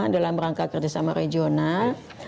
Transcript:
dalam rangka kerjasama regional